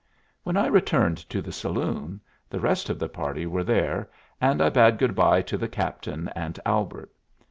When I returned to the saloon, the rest of the party were there, and I bade good by to the captain and Albert.